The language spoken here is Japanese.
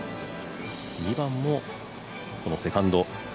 ２番も、このセカンド。